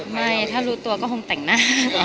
ไม่ถ้ารู้ตัวก็คงแต่งหน้า